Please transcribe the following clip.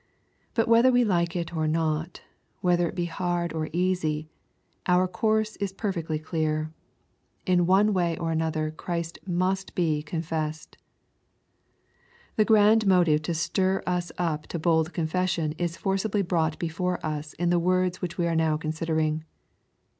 But whether we like it or not, whether it be hard or easy, our course is perfectly clear. In one way or another Christ must be confessed. The grand motive to stir us up to bold confession is forcibly brought before us in the words which we are now considering.